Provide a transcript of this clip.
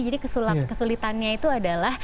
jadi kesulitannya itu adalah